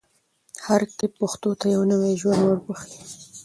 هر کلیپ پښتو ته یو نوی ژوند بښي.